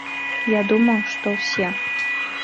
Я думаю, што ўсе.